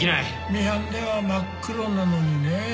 ミハンでは真っ黒なのにねえ。